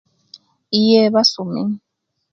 Iyee basome